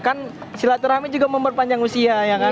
kan silaturahmi juga memperpanjang usia ya kan